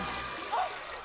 あっ！